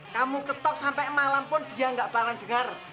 kamu ketok sampe malam pun dia gak parah denger